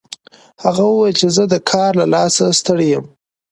هغه وویل چې زه د کار له لاسه ستړی یم